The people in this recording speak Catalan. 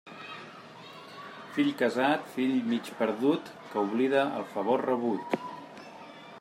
Fill casat, fill mig perdut, que oblida el favor rebut.